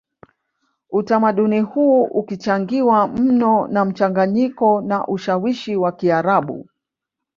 utamaduni huu ukichangiwa mno na mchanganyiko na ushawishi wa Kiarabu